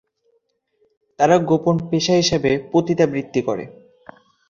তারা গোপন পেশা হিসেবে পতিতাবৃত্তি করে।